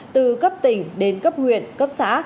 từ cấp tỉnh đến cấp huyện cấp xã